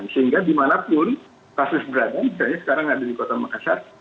sehingga dimanapun kasus berada misalnya sekarang ada di kota makassar